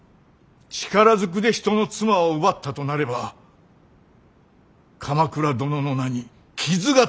力ずくで人の妻を奪ったとなれば鎌倉殿の名に傷がつきます。